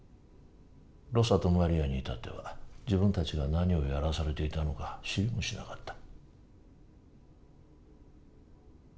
ロサとマリアに至っては自分たちが何をやらされていたのか知りもしなかった。